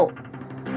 hai bé gái